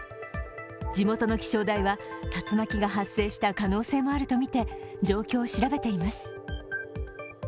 地元の気象台は竜巻が発生した可能性があるとみて、状況を調べています。